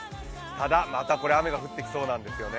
ただ、またこれ、雨が降ってきそうなんですよね。